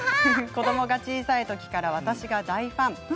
子どもが小さいときから私が大ファン。